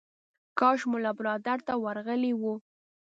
کاش ملا برادر ته ورغلی و.